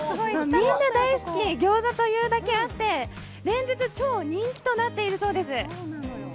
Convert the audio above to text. みんな大好き、餃子というだけあって、連日超人気となっているそうです。